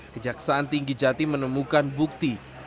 kejaksaan tinggi jatim menemukan bukti